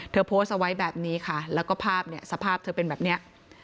โพสต์เอาไว้แบบนี้ค่ะแล้วก็ภาพเนี่ยสภาพเธอเป็นแบบเนี้ย